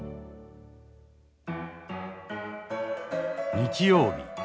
日曜日。